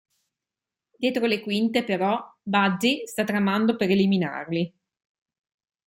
Dietro le quinte, però, Buddy sta tramando per eliminarli.